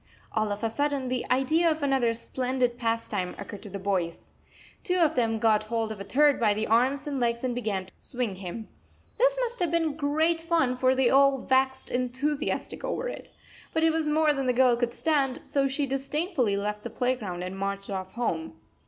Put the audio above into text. All of a sudden the idea of another splendid pastime occurred to the boys. Two of them got hold of a third by the arms and legs and began to swing him. This must have been great fun, for they all waxed enthusiastic over it. But it was more than the girl could stand, so she disdainfully left the playground and marched off home.